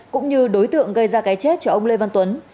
cũng như đối tượng gây ra cái chết cho ông lê văn tuấn